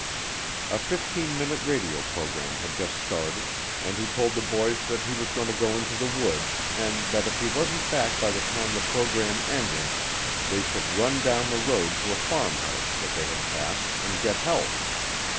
A fifteen minute radio program had just started, and he told the boys that he was going to go into the woods, and that if he wasn't back by the time the program ended they should run down the road to a farmhouse that they had passed and get help.